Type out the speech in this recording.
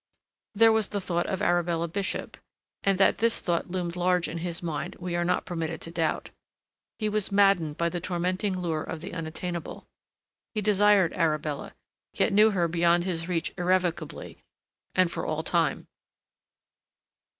There was the thought of Arabella Bishop and that this thought loomed large in his mind we are not permitted to doubt. He was maddened by the tormenting lure of the unattainable. He desired Arabella, yet knew her beyond his reach irrevocably and for all time.